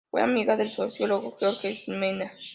Fue amiga del sociólogo George Simmel.